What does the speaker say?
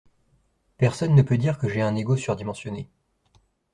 Personne ne peut dire que j’ai un ego surdimensionné.